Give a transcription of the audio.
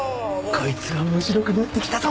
こいつは面白くなって来たぞ！